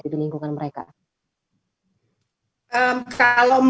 kalau memberikan masukan tulis